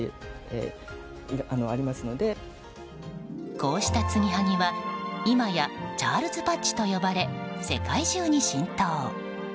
こうした、つぎはぎは今やチャールズ・パッチと呼ばれ世界中に浸透。